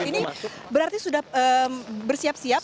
ini berarti sudah bersiap siap